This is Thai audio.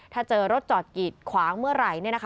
ถ้าเจอรถจอดกีดขวางเมื่อไหร่